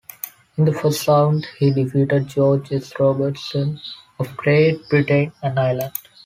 In the first round, he defeated George S. Robertson of Great Britain and Ireland.